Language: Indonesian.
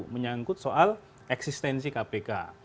menyangkut soal eksistensi kpk